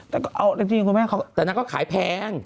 แต่นางก็ขายแพง